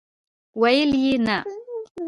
ویل یې، نه!!!